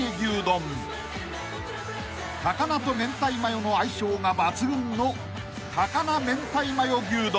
［高菜と明太マヨの相性が抜群の］